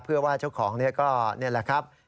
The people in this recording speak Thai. เพื่อว่าเจ้าของก็นี่แหละครับ